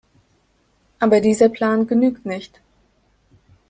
Aber dieser Plan genügt nicht.